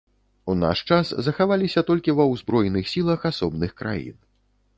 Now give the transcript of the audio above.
У наш час захаваліся толькі ва узброеных сілах асобных краін.